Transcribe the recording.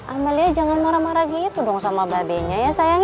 amelia jangan marah marah gitu dong sama babenya ya sayang